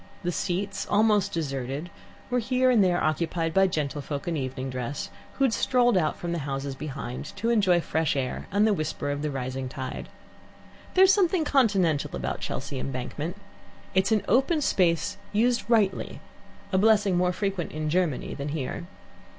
The seats, almost deserted, were here and there occupied by gentlefolk in evening dress, who had strolled out from the houses behind to enjoy fresh air and the whisper of the rising tide. There is something continental about Chelsea Embankment. It is an open space used rightly, a blessing more frequent in Germany than here.